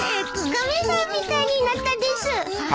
亀さんみたいになったです！